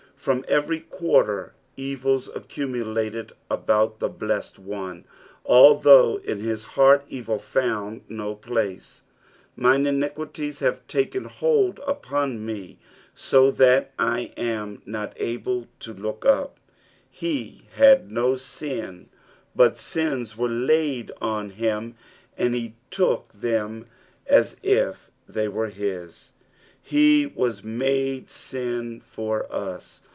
From every quarter evils accumulated about the blessed One, although in his heart evil found no place. "JVim iniquitiet haze taken hold upon me, to that lam not aila to look up.'' He had no sin, but sins were laid on him, and he took them as if they were his. " He was mode sin for us."